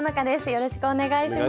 よろしくお願いします。